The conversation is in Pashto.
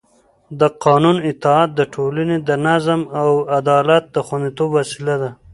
د قانون اطاعت د ټولنې د نظم او عدالت د خونديتوب وسیله ده